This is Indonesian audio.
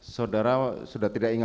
saudara sudah tidak ingat